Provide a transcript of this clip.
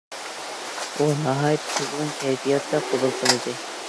ئۇ ناھايىتى قىزغىن كەيپىياتتا قوبۇل قىلدى.